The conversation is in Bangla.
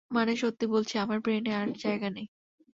মানে, সত্যি বলছি, আমার ব্রেনে আর জায়গা নেই।